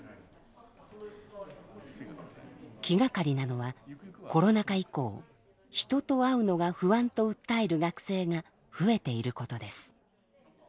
気がかりなのはコロナ禍以降人と会うのが不安と訴える学生が増えていることです。